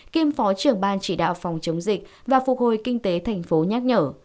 kiêm phó trưởng ban chỉ đạo phòng chống dịch và phục hồi kinh tế thành phố nhắc nhở